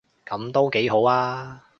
噉都幾好吖